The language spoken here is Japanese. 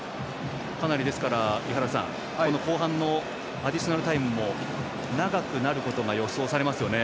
かなり後半のアディショナルタイムも長くなることが予想されますよね。